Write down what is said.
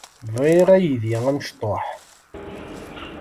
Bɣiɣ aydi amecṭuḥ.